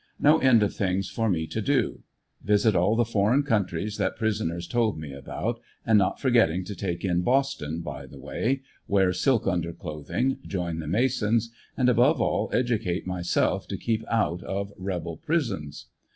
No end of things for me to do : visit all the foreign countries that prisoners told me about, and not forgetting to take in Boston by the way, wear silk underclothing, join the masons, and above all educate myself to keep out of rebel prisons.